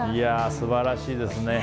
素晴らしいですね。